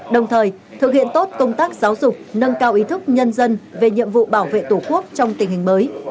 đồng thời thực hiện tốt công tác giáo dục nâng cao ý thức nhân dân về nhiệm vụ bảo vệ tổ quốc trong tình hình mới